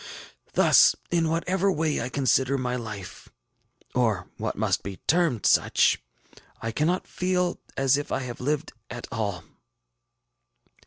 Thus, in whatever way I consider my life, or what must be termed such, I cannot feel as if I had lived at all.